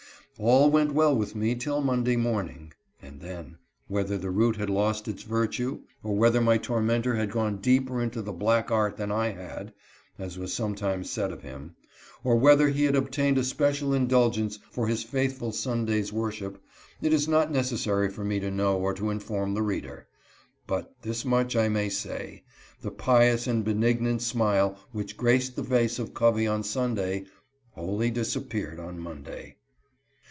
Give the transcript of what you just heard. All went well with me till Monday morning ; and then, whether the root had lost its virtue, or whether my tor mentor had gone deeper into the black art than I had, (as was sometimes said of him), or whether he had obtained a special indulgence for his faithful Sunday's worship, it is not necessary for me to know or to inform the reader ; but this much I may say, the pious and benignant smile which graced the face of Covey on Sunday wholly disap peared on Monday.